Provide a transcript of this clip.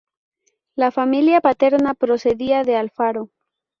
La familia paterna procedía de Alfaro.